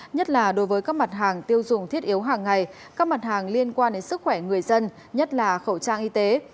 nhất là đối với các mặt hàng tiêu dùng thiết yếu hàng ngày các mặt hàng liên quan đến sức khỏe người dân nhất là khẩu trang y tế